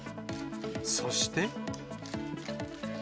そして。